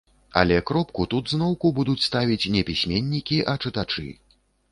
Але кропку тут зноўку будуць ставіць не пісьменнікі, а чытачы.